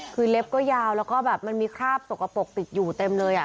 คือเล็บก็ยาวแล้วก็แบบมันมีคราบสกปรกติดอยู่เต็มเลย